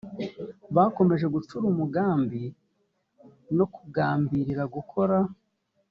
bakomeje gucura umugambi no kugambirira gukora